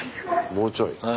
もうちょい。